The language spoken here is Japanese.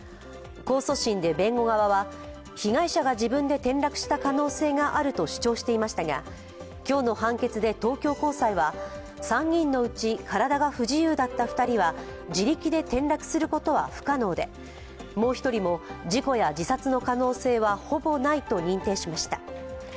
控訴審で弁護側は被害者が自分で転落した可能性があると主張していましたが今日の判決で東京高裁は３人のうち体が不自由だった２人は自力で転落することは不可能でもう一人も、事故や自殺の可能性はほぼないと認定しました。